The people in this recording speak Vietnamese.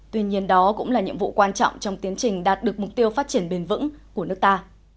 tuy nhiên đó cũng là nhiệm vụ quan trọng trong tiến trình đạt được mục tiêu phát triển bền vững của nước ta